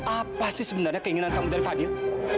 apa sih sebenarnya keinginan kamu dari fadil